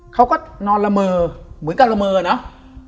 เขาก็นอนละเมอเหมือนกับละเมอเนอะ